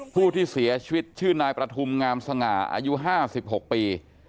ผู้ที่เสียชีวิตชื่อนายประทุมงามสง่าอายุ๕๖ปี